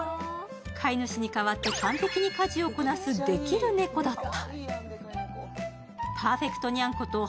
飼い主に代わって完璧に家事をこなす、できる猫だった。